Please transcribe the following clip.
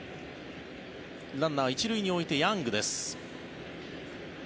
ランナー、１塁に置いてヤングです。